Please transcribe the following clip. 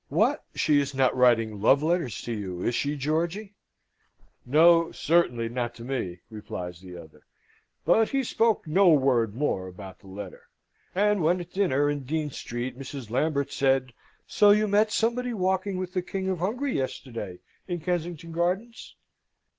"What, she is not writing love letters to you, is she, Georgy?" "No, certainly not to me," replies the other. But he spoke no word more about the letter; and when at dinner in Dean Street Mrs. Lambert said, "So you met somebody walking with the King of Hungary yesterday in Kensington Gardens?"